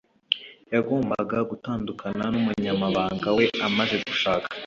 Yagombaga gutandukana numunyamabanga we amaze gushaka